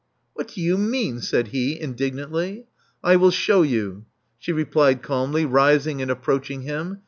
What do you mean?" said he, indignantly. I will shew you, she replied calmly, rising and approaching him.